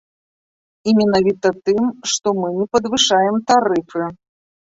І менавіта тым, што мы не падвышаем тарыфы.